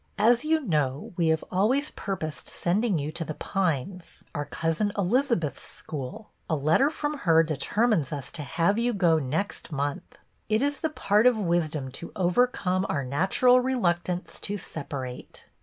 " As you know, we have always purposed sending you to The Pines, our Cousin Eliza beth's school. A letter from her determines us to have you go next month. It is the part of wisdom to overcome our natural reluctance to separate."